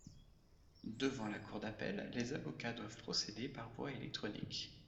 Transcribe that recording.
Devant la Cour d'appel, les avocats doivent procéder par voie électronique.